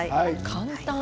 簡単。